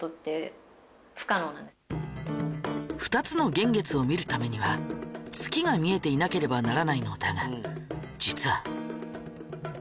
２つの幻月を見るためには月が見えていなければならないのだが実は。